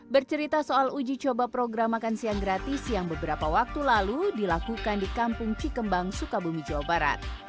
bercerita soal uji coba program makan siang gratis yang beberapa waktu lalu dilakukan di kampung cikembang sukabumi jawa barat